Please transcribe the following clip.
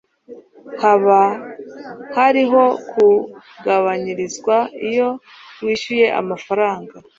Hoba hariho kugabanyirizwa iyo wishyuye amafaranga?